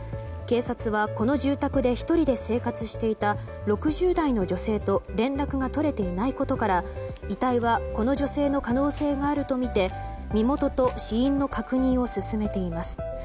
警察は、この住宅で１人で生活していた６０代の女性と連絡が取れていないことから遺体はこの女性の可能性があるとみて身元と死因の確認を進めています。